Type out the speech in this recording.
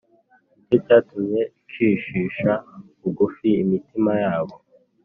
nicyo cyatumye icishisha bugufi imitima yabo